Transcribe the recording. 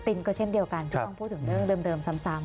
นก็เช่นเดียวกันที่ต้องพูดถึงเรื่องเดิมซ้ำ